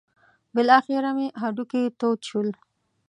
بالاخره مې هډوکي تود شول.